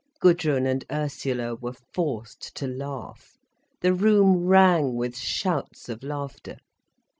Gudrun and Ursula were forced to laugh. The room rang with shouts of laughter.